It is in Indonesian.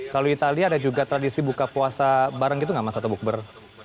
kalau italia ada juga tradisi buka puasa bareng gitu nggak mas atau bukber